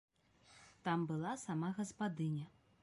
Там была сама гаспадыня.